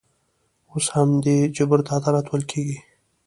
اوس همدې جبر ته عدالت ویل کېږي.